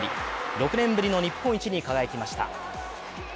６年ぶりの日本一に輝きました。